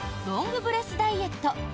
「ロングブレスダイエット」